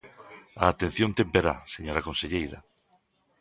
A atención temperá, señora conselleira.